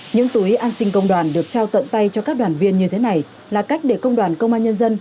những túi an sinh công đoàn được trao tận tay cho các đoàn viên như thế này là cách để công đoàn công an nhân dân